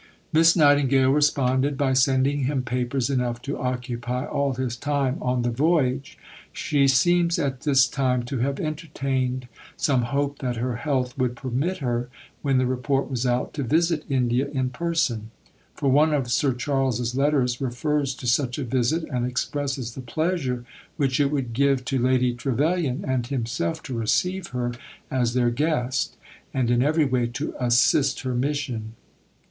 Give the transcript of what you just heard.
Miss Nightingale responded by sending him papers enough to occupy all his time on the voyage. She seems at this time to have entertained some hope that her health would permit her, when the Report was out, to visit India in person; for one of Sir Charles's letters refers to such a visit, and expresses the pleasure which it would give to Lady Trevelyan and himself to receive her as their guest, and in every way to assist her mission.